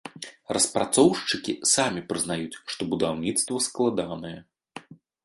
Распрацоўшчыкі самі прызнаюць, што будаўніцтва складанае.